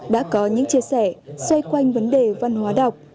đã có những chia sẻ xoay quanh vấn đề văn hóa đọc